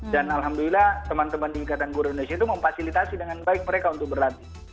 dan alhamdulillah teman teman di ikatan guru indonesia itu memfasilitasi dengan baik mereka untuk berlatih